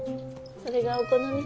それがお好みか。